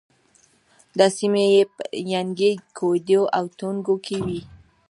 دا سیمې په ینګی، کویدو او ټونګو کې وې.